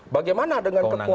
bagaimana dengan kekuasaannya